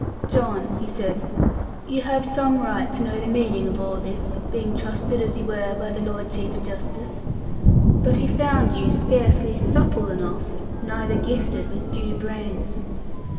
'John,' he said, 'you have some right to know the meaning of all this, being trusted as you were by the Lord Chief Justice. But he found you scarcely supple enough, neither gifted with due brains.'